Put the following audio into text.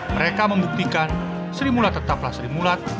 mereka membuktikan seri mulat tetaplah seri mulat